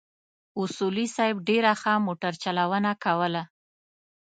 اصولي صیب ډېره ښه موټر چلونه کوله.